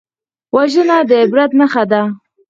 وژنه د عبرت نښه ده